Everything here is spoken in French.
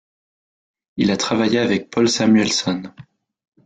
Il a travaillé avec Paul Samuelson.